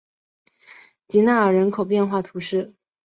吉纳尔人口变化图示